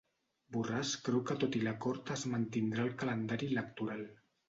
Borràs creu que tot i l'acord es mantindrà el calendari electoral